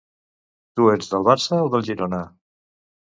Tu ets del Barça o del Girona?